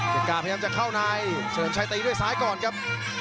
เจ้ากล้าพยายามจะเข้านายเชลิมชัยตายด้วยสายก่อนครับ